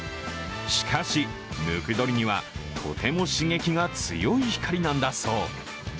しかし、ムクドリにはとても刺激が強い光なんだそう。